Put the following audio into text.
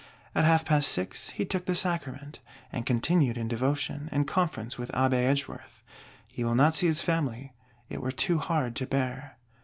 At half past six, he took the Sacrament; and continued in devotion, and conference with Abbé Edgeworth. He will not see his Family: it were too hard to bear.